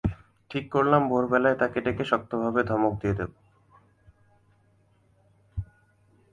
ঠিক করলাম, ভোরবেলায় তাকে ডেকে শক্তভাবে ধমক দিয়ে দেব।